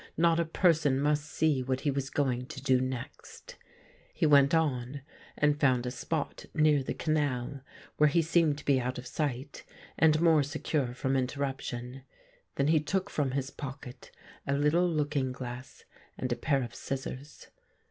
Not a person must see what he was going to do next. He went on, and found a spot near the canal, where he seemed to be out of sight, and more secure from interruption. Then he took fi om his pocket a little looking glass and a pair of scissors.